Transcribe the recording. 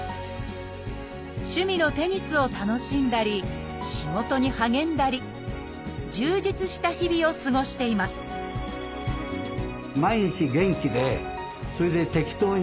趣味のテニスを楽しんだり仕事に励んだり充実した日々を過ごしていますそれが一番いいですよ